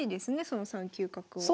その３九角を。